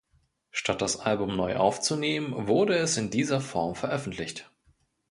Statt das Album neu aufzunehmen, wurde es in dieser Form veröffentlicht.